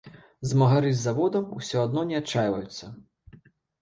Змагары з заводам усё адно не адчайваюцца.